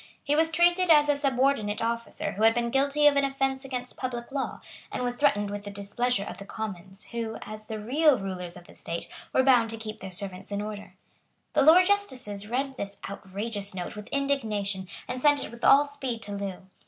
He was treated as a subordinate officer who had been guilty of an offence against public law, and was threatened with the displeasure of the Commons, who, as the real rulers of the state, were bound to keep their servants in order. The Lords justices read this outrageous note with indignation, and sent it with all speed to Loo.